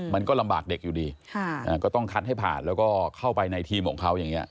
มันก็ลำบากเด็กอยู่ดีก็ต้องคัดให้ผ่านแล้วก็เข้าไปในทีมของเขาอย่างนี้